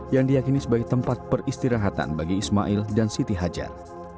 yang diakini sebagai tempat peristirahatan bagi ismail dan siti hajar